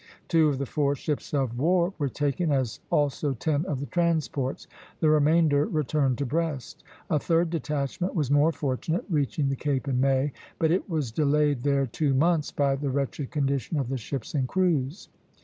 Two of the four ships of war were taken, as also ten of the transports; the remainder returned to Brest. A third detachment was more fortunate, reaching the Cape in May; but it was delayed there two months by the wretched condition of the ships and crews.